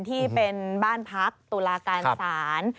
ที่เป็นบ้านพักตุลาการศาล